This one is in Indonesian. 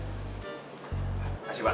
saya ajarin dah